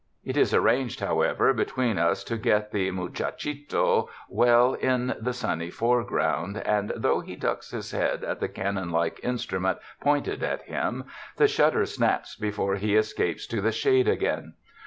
It is ar ranged, however, between us to get the muchachito well in the sunny foreground, and though he ducks his head at the cannon like instrument pointed at him, the shutter snaps before he escapes to the shade again.